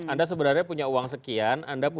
anda sebenarnya punya uang sekian